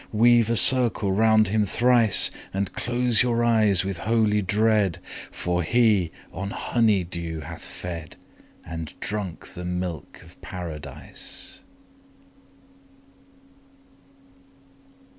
50 Weave a circle round him thrice, And close your eyes with holy dread, For he on honey dew hath fed, And drunk the milk of Paradise.